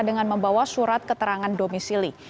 dengan membawa surat keterangan domisili